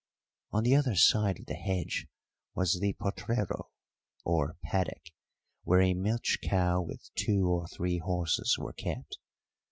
On the other side of the hedge was the potrero, or paddock, where a milch cow with two or three horses were kept.